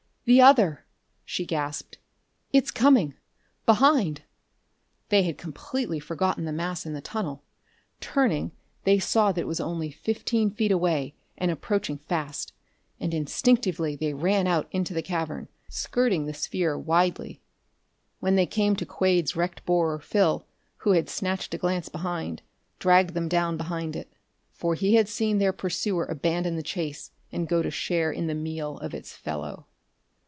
"The other!" she gasped. "It's coming, behind!" They had completely forgotten the mass in the tunnel. Turning, they saw that it was only fifteen feet away and approaching fast, and instinctively they ran out into the cavern, skirting the sphere widely. When they came to Quade's wrecked borer Phil, who had snatched a glance behind, dragged them down behind it. For he had seen their pursuer abandon the chase and go to share in the meal of its fellow.